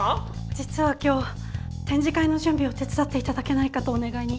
実は今日展示会の準備を手伝って頂けないかとお願いに。